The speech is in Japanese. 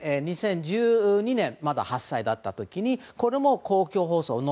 ２０１２年、まだ８歳だった時にこれも公共放送